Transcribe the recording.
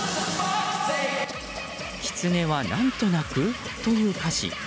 「キツネは何と鳴く？」という歌詞。